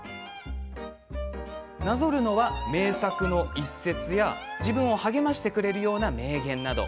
なぞるのは、名作の一節や自分を励ましてくれるような名言など。